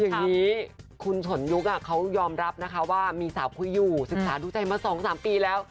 อย่างนี้คุณสนยุคเขายอมรับนะคะว่ามีสาวคุยอยู่ศึกษาดูใจมา๒๓ปีแล้ว